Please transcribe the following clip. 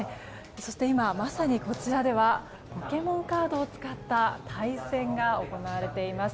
そして今まさに、こちらではポケモンカードを使った対戦が行われています。